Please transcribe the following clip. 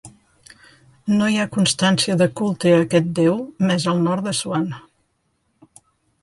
No hi ha constància de culte a aquest deu més al nord d'Assuan.